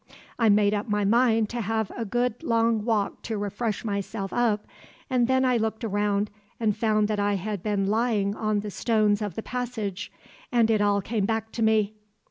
I made up my mind to have a good long walk to freshen myself up, and then I looked round and found that I had been lying on the stones of the passage; and it all came back to me.